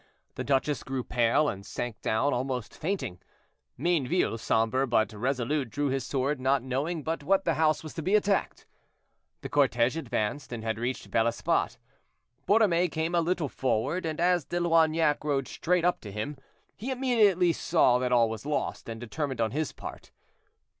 The duchess grew pale and sank down almost fainting. Mayneville, somber, but resolute, drew his sword, not knowing but what the house was to be attacked. The cortege advanced, and had reached Bel Esbat. Borromée came a little forward, and as De Loignac rode straight up to him, he immediately saw that all was lost, and determined on his part.